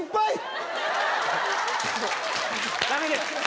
⁉ダメです！